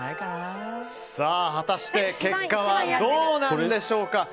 果たして結果はどうなんでしょうか。